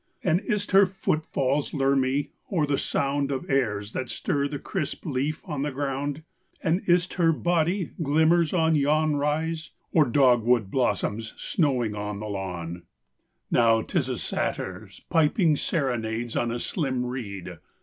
And is 't her footfalls lure me? or the sound Of airs that stir the crisp leaf on the ground? And is 't her body glimmers on yon rise? Or dogwood blossoms snowing on the lawn? IV Now 'tis a Satyr piping serenades On a slim reed.